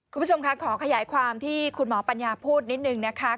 คุณผู้ชมค่ะขอขยายความที่คุณหมอปัญญาพูดนิดนึงนะคะ